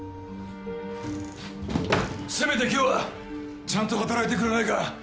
せめて今日はちゃんと働いてくれないか？